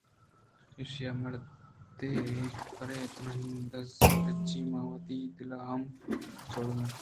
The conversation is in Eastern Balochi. ایشاں مردءِ پرے دزپچی ءَ ماں وتی دلاں ہمے سَوَڑگ کُت